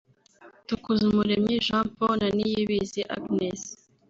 Dukuzumuremyi Jean Paul na Niyibizi Agnes